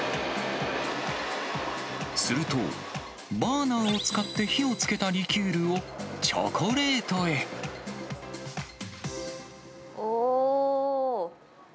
すると、バーナーを使って火をつけたリキュールを、チョコレートおー。